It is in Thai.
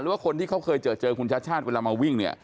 หรือว่าคนที่เขาเคยเจอคุณชัชชาติเวลามาวิ่ง